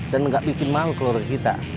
dan gak bikin malu keluarga kita